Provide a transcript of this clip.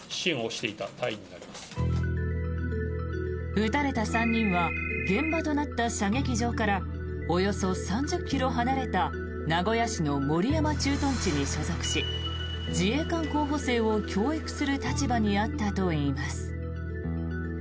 撃たれた３人は現場となった射撃場からおよそ３０ｋｍ離れた名古屋市の守山駐屯地に所属し自衛官候補生を教育する立場にあったといいます。